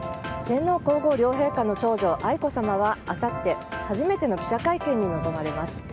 天皇・皇后両陛下の長女愛子さまはあさって、初めての記者会見に臨まれます。